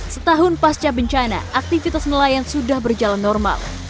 setahun pasca bencana aktivitas nelayan sudah berjalan normal